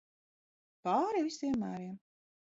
Pāri visiem mēriem.